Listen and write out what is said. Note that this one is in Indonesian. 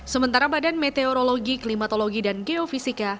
sementara badan meteorologi klimatologi dan geofisika